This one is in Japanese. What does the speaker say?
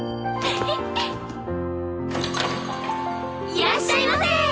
いらっしゃいませ！